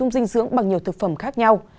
phổ sung dinh dưỡng bằng nhiều thực phẩm khác nhau